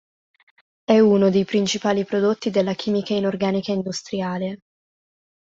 È uno dei principali prodotti della chimica inorganica industriale.